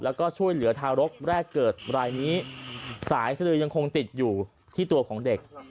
แล้วก็ช่วยเหลือทารกแรกเกิดรายนี้สายสลือยังคงติดอยู่ที่ตัวของเด็ก